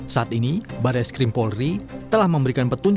saat ini barai skrimpolri telah memberikan berita